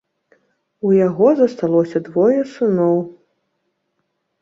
У яго засталося двое сыноў.